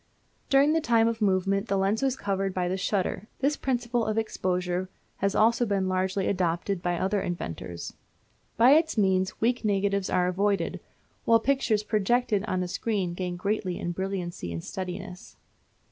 During the time of movement the lens was covered by the shutter. This principle of exposure has also been largely adopted by other inventors. By its means weak negatives are avoided, while pictures projected on to a screen gain greatly in brilliancy and steadiness.